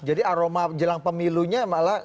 jadi aroma jelang pemilunya malah